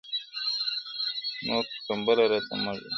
نور پر کمبله راته مه ږغوه-